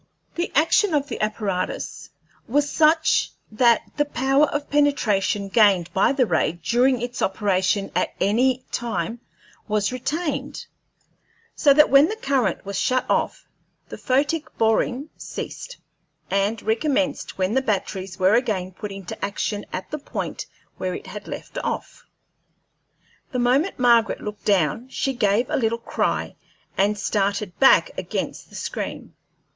The action of the apparatus was such that the power of penetration gained by the ray during its operation at any time was retained, so that when the current was shut off the photic boring ceased, and recommenced when the batteries were again put into action at the point where it had left off. The moment Margaret looked down she gave a little cry, and started back against the screen.